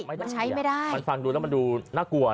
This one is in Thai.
มันใช้ไม่ได้มันฟังดูแล้วมันดูน่ากลัว